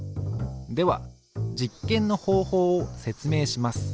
では実験の方法を説明します。